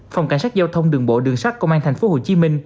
phòng cảnh sát giao thông đường bộ đường sát công an tp hcm